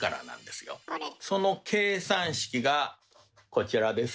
その計算式がこちらです。